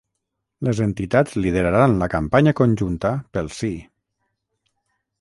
Les entitats lideraran la campanya conjunta pel ‘sí’